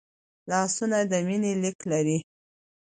لاسونه د مینې لیک لري